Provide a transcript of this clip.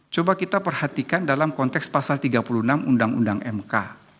coba kita perhatikan dalam konteks pasal tiga puluh enam undang undang mk